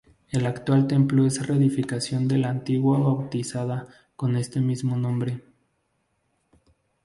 El actual templo es reedificación de la antigua bautizada con este mismo nombre.